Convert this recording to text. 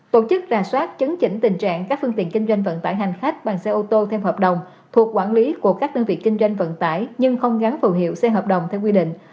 tổ chức rà soát chấn chỉnh tình trạng các phương tiện kinh doanh vận tải hành khách bằng xe ô tô theo hợp đồng thuộc quản lý của các đơn vị kinh doanh vận tải nhưng không gắn phù hiệu xe hợp đồng theo quy định